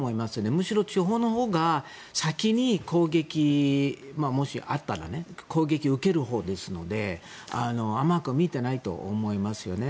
むしろ地方のほうが先にもし攻撃があったら攻撃受けるほうですので甘く見ていないと思いますよね。